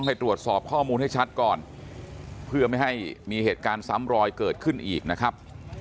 ให้ตรวจสอบข้อมูลให้ชัดก่อนเพื่อไม่ให้มีเหตุการณ์ซ้ำรอยเกิดขึ้นอีกนะครับ